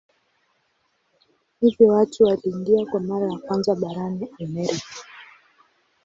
Hivyo watu waliingia kwa mara ya kwanza barani Amerika.